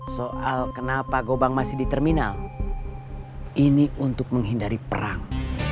soal kenapa gobang masih di terminal ini untuk menghindari perang